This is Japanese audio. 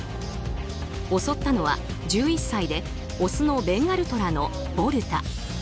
襲ったのは１１歳でオスのベンガルトラのボルタ。